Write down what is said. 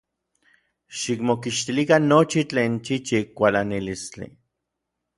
Xikmokixtilikan nochi tlen chichik kualanalistli.